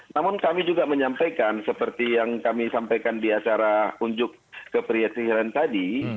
namun kami juga menyampaikan seperti yang kami sampaikan di acara unjuk kepriyatiran tadi